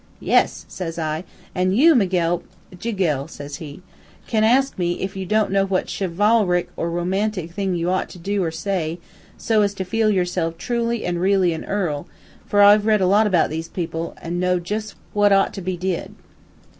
"'Yes,' says I; 'an' you, Miguel ' "'Jiguel,' says he. "'Can ask me, if you don't know what chi VAL ric or romantic thing you ought to do or to say so as to feel yourself truly an' reely a earl, for I've read a lot about these people, an' know jus' what ought to be did.'